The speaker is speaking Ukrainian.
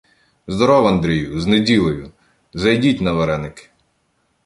— Здоров, Андрію, з неділею! Зайдіть на вареники!